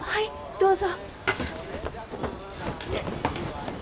どうぞ。